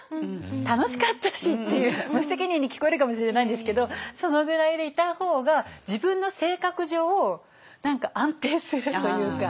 楽しかったしっていう無責任に聞こえるかもしれないんですけどそのぐらいでいた方が自分の性格上何か安定するというか。